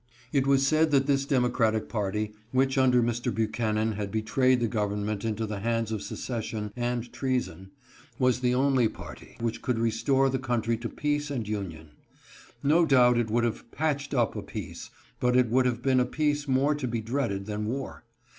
It was said that this Democratic party, which under Mr. Buchanan had betrayed the government into the hands of secession and treason, was the only party which could restore the country to peace and union. No doubt it would have " patched up " a peace, but it would have been a peace more to be dreaded than war.